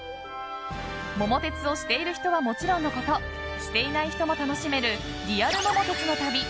「桃鉄」をしている人はもちろんのことしていない人も楽しめるリアル桃鉄の旅。